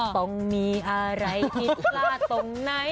ต้องมีอะไรที่กล้าตรงไหน